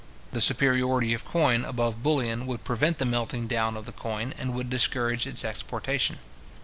The superiority of coin above bullion would prevent the melting down of the coin, and would discourage its exportation.